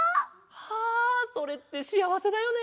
はあそれってしあわせだよね。